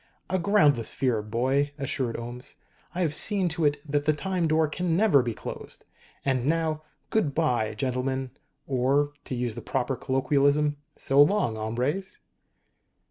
"A groundless fear, boy," assured Ohms. "I have seen to it that the Time Door can never be closed. And now good bye, gentlemen. Or, to use the proper colloquialism _so long, hombres!